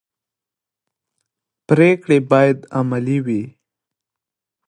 پرېکړې باید عملي وي